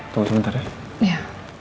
tunggu sebentar ya